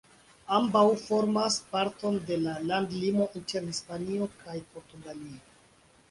Ambaŭ formas parton de la landlimo inter Hispanio kaj Portugalio.